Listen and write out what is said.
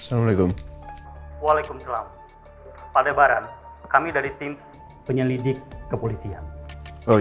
apakah saya kedatang mereka yang tidak mengalami masalah keluarga ini